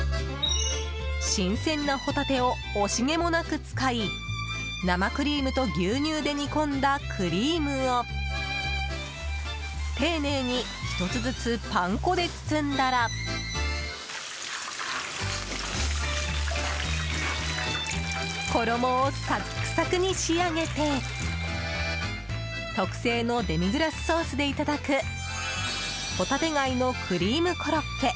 新鮮なホタテを惜しげもなく使い生クリームと牛乳で煮込んだクリームを丁寧に１つずつパン粉で包んだら衣をサックサクに仕上げて特製のデミグラスソースでいただく帆立貝のクリームコロッケ。